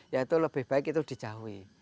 ya itu lebih baik itu dijauhi